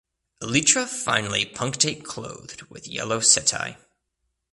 Elytra finely punctate clothed with yellow setae.